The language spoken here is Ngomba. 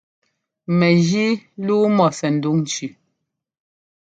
Mɛjíi lûu mɔ sɛndúŋ cʉ.